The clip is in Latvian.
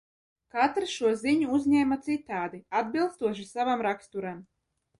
Katrs šo ziņu uzņēma citādi, atbilstoši savam raksturam.